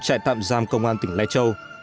trại tạm giam công an tỉnh lai châu